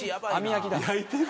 焼いてる？